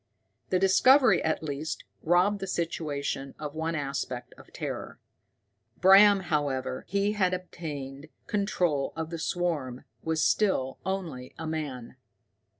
The discovery at least robbed the situation of one aspect of terror. Bram, however he had obtained control of the swarm, was still only a man.